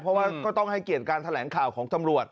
เพราะว่าก็ต้องให้เกียรติการแถลงข่าวของตำรวจ